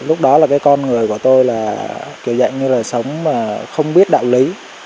lúc đó là cái con người của tôi là kiểu dạng như là sống mà không biết đạo lý